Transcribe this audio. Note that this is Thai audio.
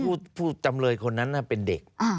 ผู้จำเลยคนนั้นเป็นเด็ก